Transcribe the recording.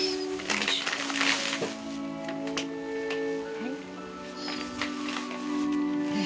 はい。